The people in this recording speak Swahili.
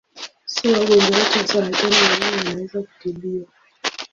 Si wagonjwa wote wa saratani ya ini wanaweza kutibiwa.